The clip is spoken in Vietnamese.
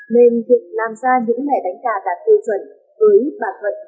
nên việc làm ra những mẻ đánh cà đạt cơ chuẩn với bản vận